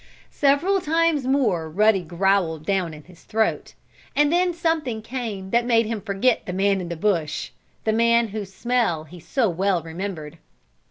Several times more Ruddy growled down in his throat, and then something came that made him forget the man in the bush. The man whose smell he so well remembered.